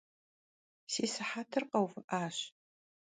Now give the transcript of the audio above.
Si sıhetır kheuvı'aş.